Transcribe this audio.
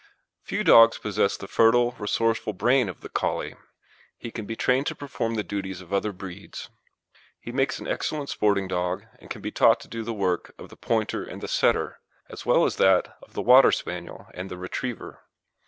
Few dogs possess the fertile, resourceful brain of the Collie. He can be trained to perform the duties of other breeds. He makes an excellent sporting dog, and can be taught to do the work of the Pointer and the Setter, as well as that of the Water Spaniel and the Retriever.